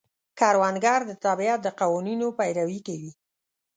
کروندګر د طبیعت د قوانینو پیروي کوي